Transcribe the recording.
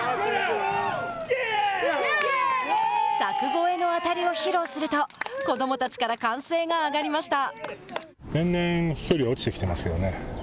柵越えの当たりを披露すると子どもたちから歓声が上がりました。